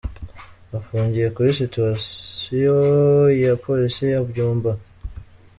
Bafungiye kuri Sitasiyo ya Polisi ya Byumba.